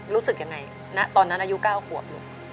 รู้สึกยังไงณตอนนั้นอายุ๙ขวบลูก